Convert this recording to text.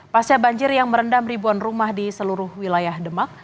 pasca banjir yang merendam ribuan rumah di seluruh wilayah demak